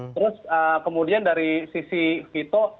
terus kemudian dari sisi vito